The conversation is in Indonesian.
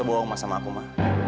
kalau sebuah umat sama aku ma